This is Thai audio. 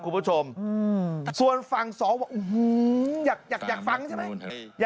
คุณผู้ชมส่วนฝั่งสอบอกอยากฟังใช่ไหม